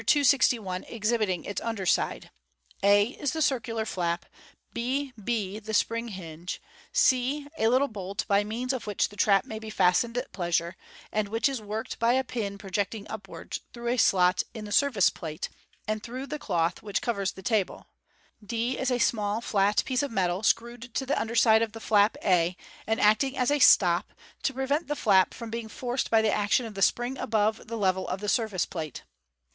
261 exhibiting its under side, a is the circular flap, b h the spring hinge, c a little bolt by means of which the trap may be fastened at pleasure, and which i«; worked by a pin projecting upwards through a slot in the surface plate, and through the cloth which covers the table j d is a small flat piece of metal, screwed to the under side of the flap a, and acting as a " stop " to prevent the flap being forced by the action of the spring above the level of the surface plate.